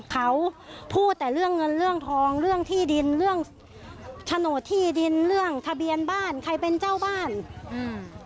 เขาพูดแต่เรื่องเงินเรื่องทองเรื่องที่ดินเรื่องโฉนดที่ดินเรื่องทะเบียนบ้านใครเป็นเจ้าบ้านอืม